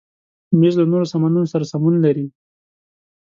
مېز له نورو سامانونو سره سمون لري.